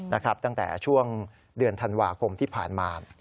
ตั้งแต่ช่วงเดือนธันวาคมที่ผ่านมา